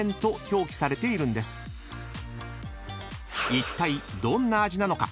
［いったいどんな味なのか？